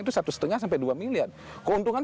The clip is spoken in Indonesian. itu satu setengah sampai dua miliar keuntungan